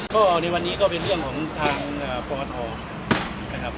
ก็ในวันนี้ก็เป็นเรื่องบอทอนะครับ